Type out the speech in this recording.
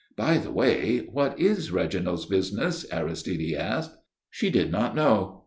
"By the way, what is Reginald's business?" Aristide asked. She did not know.